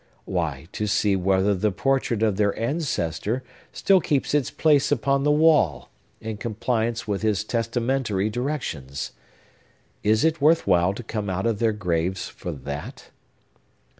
Why, to see whether the portrait of their ancestor still keeps its place upon the wall, in compliance with his testamentary directions! Is it worth while to come out of their graves for that?